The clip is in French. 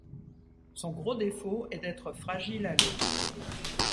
Son gros défaut est d'être fragile à l'eau.